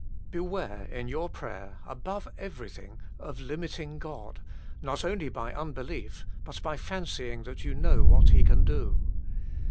Beware, in your prayer, above everything, of limiting God, not only by unbelief, but by fancying that you know what He can do.